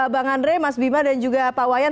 bang andre mas bima dan juga pak wayan